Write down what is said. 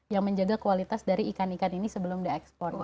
yang menjaga kualitas dari ikan ikan ini sebelum diekspor